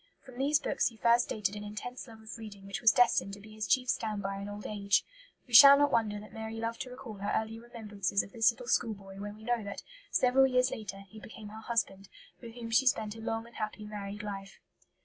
From these books he first dated an intense love of reading which was destined to be his chief stand by in old age. We shall not wonder that Mary loved to recall her early remembrances of this little school boy when we know that, several years later, he became her husband, with whom she spent a long and happy married life.